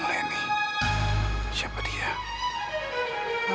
mantan suami saya